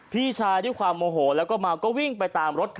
พี่ชายด้วยความโมโหแล้วก็เมาก็วิ่งไปตามรถ